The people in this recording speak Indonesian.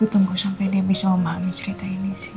aku tunggu sampe dia bisa memahami cerita ini sih